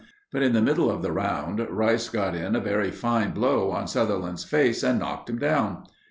But, in the middle of the round, Rice got in a very fine blow on Sutherland's face and knocked him down.